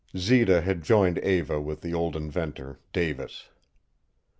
Zita had joined Eva with the old inventor, Davis.